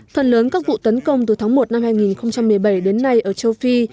phần lớn các vụ tấn công từ tháng một năm hai nghìn một mươi bảy đến nay ở châu phi